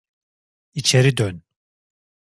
İçeri dön.